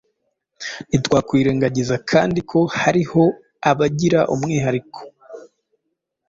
Ntitwakwirengagiza kandi ko hariho abagira umwihariko